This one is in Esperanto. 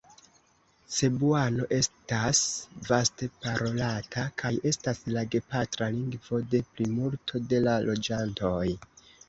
Cebuano estas vaste parolata kaj estas la gepatra lingvo de plimulto de la loĝantoj.